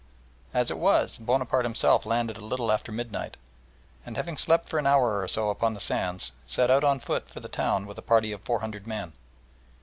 As it was, Bonaparte himself landed a little after midnight, and having slept for an hour or so upon the sands, set out on foot for the town with a party of four hundred men.